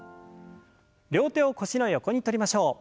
両手を腰の横にとりましょう。